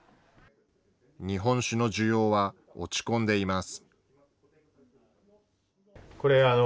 日本酒の需要は落ち込んでいます。